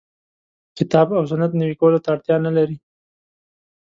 کتاب او سنت نوي کولو ته اړتیا نه لري.